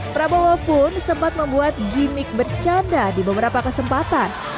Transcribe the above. prabowo pun sempat membuat gimmick bercanda di beberapa kesempatan